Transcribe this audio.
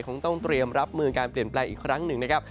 คงต้องเตรียมรับมือการเปลี่ยนแปลงอีกครั้งหนึ่งนะครับ